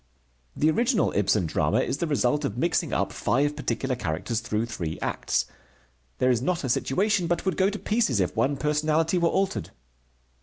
The original Ibsen drama is the result of mixing up five particular characters through three acts. There is not a situation but would go to pieces if one personality were altered.